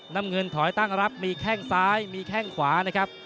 น้ำเงินถอยตั้งรับมีแข้งซ้ายมีแข้งขวานะครับ